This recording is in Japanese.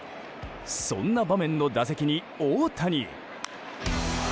そんな場面の打席に、大谷！